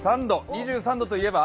２３度と言えば？